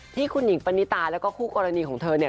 ที่คุณหนิงปณิตาแล้วก็คู่กรณีของเธอเนี่ย